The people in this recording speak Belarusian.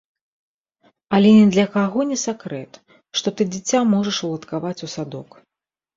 Але ні для каго не сакрэт, што ты дзіця можаш уладкаваць у садок.